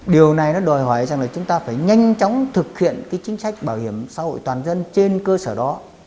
điều này nó đòi hỏi rằng là chúng ta phải nhanh chóng thực hiện cái chính sách bảo hiểm xã hội toàn dân trên cơ sở đó